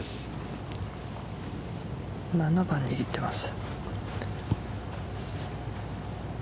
７番、握っています。